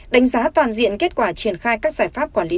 đánh giá toàn diện kết quả triển khai các giải pháp quản lý